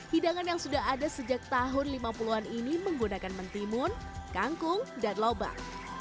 hidangan yang sudah ada sejak tahun lima puluh an ini menggunakan mentimun kangkung dan lobak